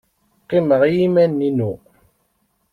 Qqimeɣ i yiman-inu.